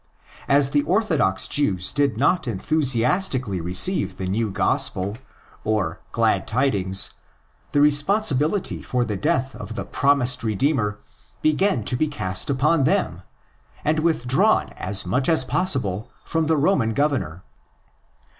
As the orthodox Jews did not enthusiastically receive the new Gospel, or '"'glad tidings,"' the responsibility for the death of the promised Redeemer began to be cast upon them, and withdrawn as much as possible from the Roman governor.